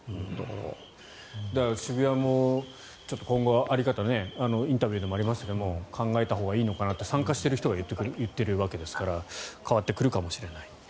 渋谷も今後は在り方をインタビューでもありましたが考えたほうがいいのかなって参加した方が言ってるわけですから変わってくるかもしれない。